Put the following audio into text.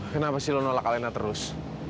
kenapa sih lo nolak alena terus